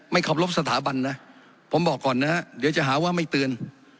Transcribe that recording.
ขอรบสถาบันนะผมบอกก่อนนะฮะเดี๋ยวจะหาว่าไม่เตือน